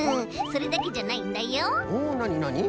それだけじゃないんだよ。おなになに？